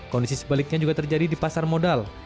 kondisi sebaliknya juga terjadi di pasar modal